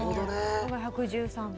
これが１１３番。